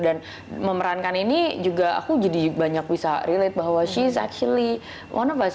dan memerankan ini juga aku jadi banyak bisa relate bahwa she's actually one of us